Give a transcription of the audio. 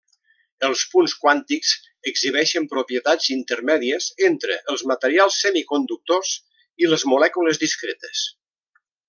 Els punts quàntics exhibeixen propietats intermèdies entre els materials semiconductors i les molècules discretes.